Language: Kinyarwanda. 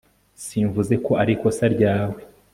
simvuze ko arikosa ryawe